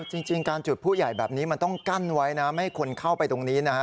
จริงการจุดผู้ใหญ่แบบนี้มันต้องกั้นไว้นะไม่ให้คนเข้าไปตรงนี้นะฮะ